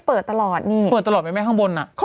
เปิดตลอดนะหนู